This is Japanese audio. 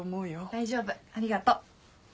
大丈夫ありがとう。